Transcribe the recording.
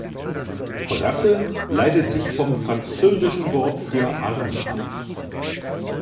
Brasse leitet sich vom französischen Wort für Arm ab.